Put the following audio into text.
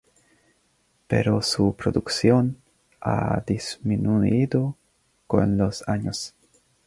Pero su producción ha disminuido con los años.